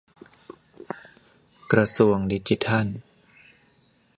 -กระทรวงดิจิทัล